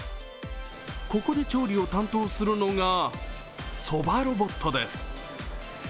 ここで調理を担当するのがそばロボットです。